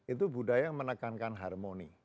itu budaya yang menekankan harmoni